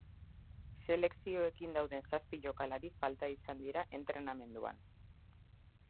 Selekzioekin dauden zazpi jokalari falta izan dira entrenamenduan.